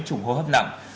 chủng hô hấp nặng